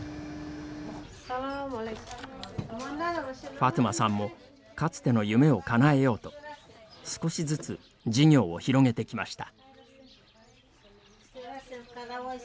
ファトゥマさんもかつての夢をかなえようと少しずつ事業を広げてきました。